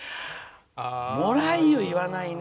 「もらい湯」、言わないね。